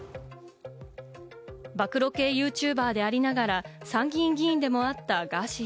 暴露系ＹｏｕＴｕｂｅｒでありながら、参議院議員でもあったガーシー